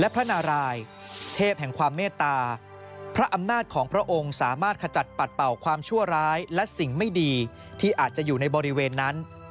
พระนารายเทพแห่งความเมตตาพระอำนาจของพระองค์สามารถขจัดปัดเป่าความชั่วร้ายและสิ่งไม่ดีที่อาจจะอยู่ในบริเวณนั้น